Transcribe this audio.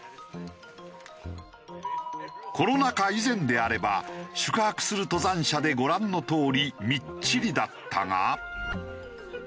コロナ禍以前であれば宿泊する登山者でご覧のとおりみっちりだったが。